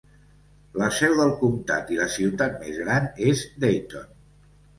La seu del comtat i la ciutat més gran és Dayton.